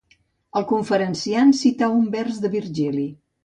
El conferenciant cità un vers de Virgili.